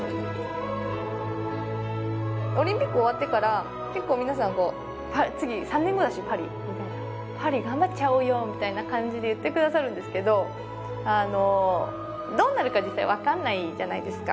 オリンピック終わってから結構皆さんこう「次３年後だしパリ」みたいな「パリ頑張っちゃおうよ」みたいな感じで言ってくださるんですけどあのどうなるか実際分かんないじゃないですか